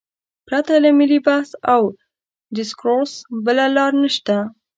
پرته له ملي بحث او ډیسکورس بله لار نشته.